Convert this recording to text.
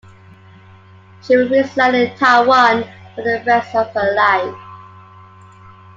She would reside in Taiwan for the rest of her life.